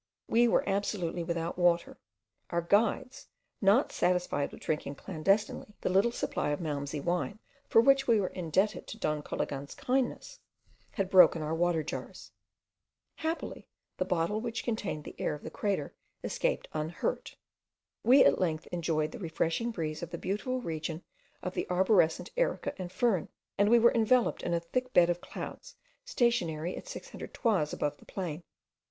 We were absolutely without water; our guides, not satisfied with drinking clandestinely the little supply of malmsey wine, for which we were indebted to Don Cologan's kindness, had broken our water jars. Happily the bottle which contained the air of the crater escaped unhurt. We at length enjoyed the refreshing breeze in the beautiful region of the arborescent erica and fern; and we were enveloped in a thick bed of clouds stationary at six hundred toises above the plain.